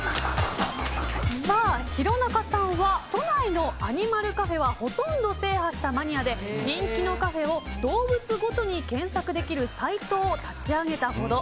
廣中さんは都内のアニマルカフェはほとんど制覇したくろうとさんで人気のカフェを動物ごとに検索できるサイトを立ち上げたほど。